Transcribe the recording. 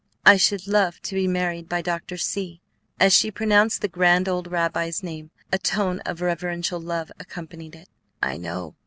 "I should love to be married by Doctor C ." As she pronounced the grand old rabbi's name, a tone of reverential love accompanied it. "I know.